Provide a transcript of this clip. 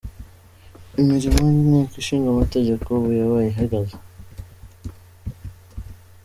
Imirimo y'inteko ishingamategeko ubu yabaye ihagaze.